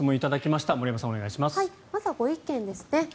まずはご意見ですね。